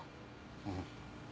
うん。